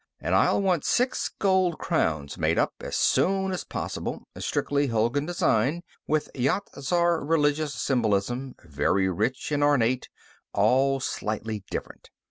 "And I'll want six gold crowns made up, as soon as possible. Strictly Hulgun design, with Yat Zar religious symbolism, very rich and ornate, all slightly different.